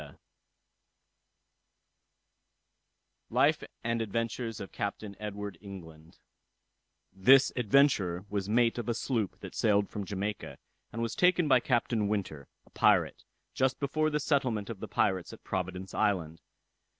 _] LIFE AND ADVENTURES OF CAPTAIN EDWARD ENGLAND This adventurer was mate of a sloop that sailed from Jamaica, and was taken by Captain Winter, a pirate, just before the settlement of the pirates at Providence island.